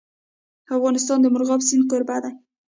افغانستان د مورغاب سیند کوربه دی.